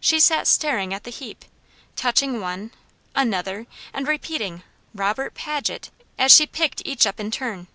She sat staring at the heap, touching one, another, and repeating "Robert Paget?" as she picked each up in turn.